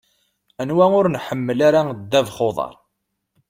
Anwa ur nḥemmel ara ddabex n uḍaṛ?